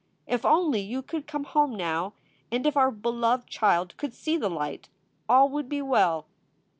If only you could come home now, and if our beloved child could see the light, all would be well.